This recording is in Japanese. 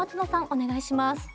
お願いします。